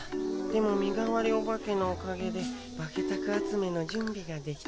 でもみがわりお化けのおかげでバケタク集めのじゅんびができたよ。